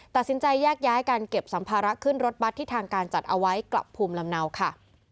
ตัดสินใจแยกย้ายกันเก็บสัมภาระขึ้นรถบัตรที่ทางการจัดเอาไว้กลับภูมิลำเนาค่ะ